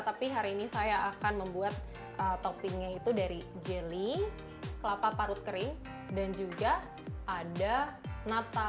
tapi hari ini saya akan membuat toppingnya itu dari jelly kelapa parut kering dan juga ada nata